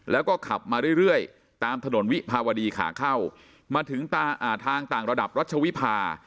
แล้วก็ขับมาเรื่อยตามถนนวิภาวดีขาเข้ามาถึงทางต่างระดับรัชวิภา